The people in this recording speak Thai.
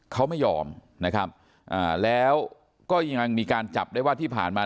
เขาไม่ยอมนะครับอ่าแล้วก็ยังมีการจับได้ว่าที่ผ่านมา